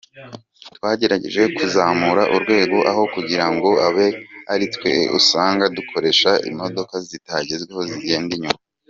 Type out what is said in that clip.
Twagerageje kuzamura urwego aho kugira ngo abe aritwe usanga dukoresha imodoka zitagezweho zigenda inyuma.